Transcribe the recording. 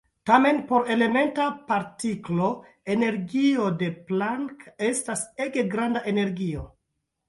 Tamen por elementa partiklo energio de Planck estas ege granda energio.